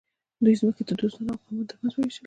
دوی ځمکې د دوستانو او قومونو ترمنځ وویشلې.